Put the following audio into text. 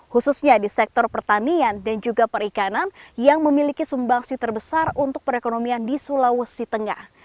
khususnya di sektor pertanian dan juga perikanan yang memiliki sumbangsi terbesar untuk perekonomian di sulawesi tengah